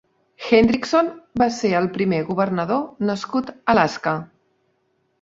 Hendrickson va ser el primer governador nascut a Alaska.